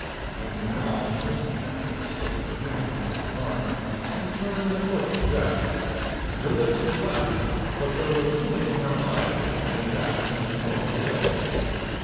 And now Miss Churchill slipped her hand from his arm and turned and looked at Jack. Her lips were laughing, but there was something in her eye which made Jack turn his own away.